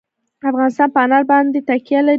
افغانستان په انار باندې تکیه لري.